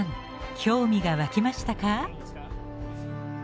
興味が湧きましたか？